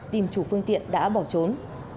tìm chủ phương tiện đã bỏ trốn